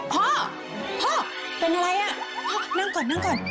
พ่อเป็นอะไรน่ะพ่อนั่งก่อน